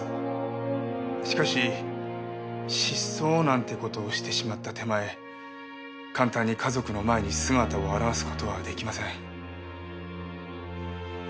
しかし失踪なんて事をしてしまった手前簡単に家族の前に姿を現す事は出来ません。